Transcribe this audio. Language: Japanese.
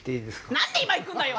何で今行くんだよ！